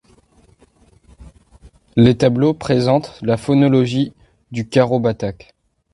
Les tableaux présentent la phonologie du karo batak.